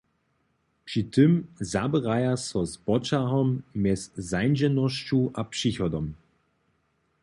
Při tym zaběraja so z poćahom mjez zańdźenosću a přichodom.